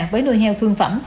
với nuôi heo thương phẩm